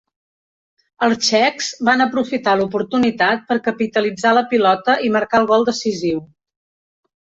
Els txecs van aprofitar l'oportunitat per capitalitzar la pilota i marcar el gol decisiu.